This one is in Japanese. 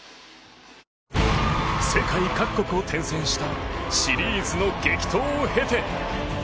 世界各国を転戦したシリーズの激闘を経て。